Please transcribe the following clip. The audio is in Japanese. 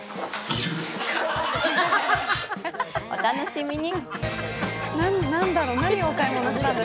お楽しみに。